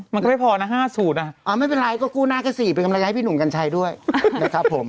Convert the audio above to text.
มันก็ไม่พอนะ๕สูตรไม่เป็นไรก็กู้หน้าก็๔เป็นกำลังใจให้พี่หนุ่มกัญชัยด้วยนะครับผม